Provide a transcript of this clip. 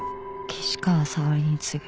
「岸川沙織に告ぐ」